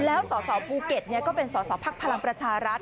แล้วส่อบูเก็ตเนี่ยก็เป็นส่อภักษ์พลังปรัชารัฐ